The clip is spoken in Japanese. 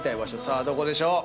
さあどこでしょう？